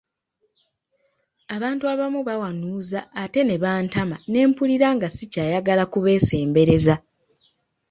Abantu abamu bawanuuza ate ne bantama n’empulira nga sikyayagala kubeesembereza.